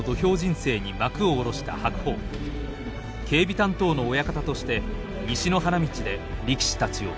警備担当の親方として西の花道で力士たちを見守る。